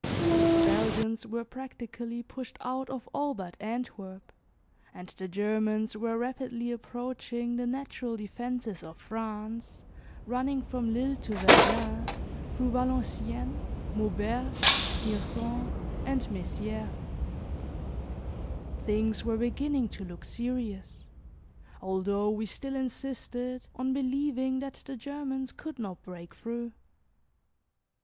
The Belgians were practically pushed out of all but Antwerp, and the Germans were rapidly approaching the natural defences of France running from Lille to Verdun, through Valenciennes, Mauberge, Hirson and Mezières. Things were beginning to look serious, although we still insisted on believing that the Germans could not break through.